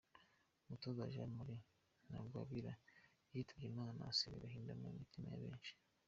Umutoza Jean Marie Ntagwabira yitabye Imana asiga agahinda mu mitima ya benshi.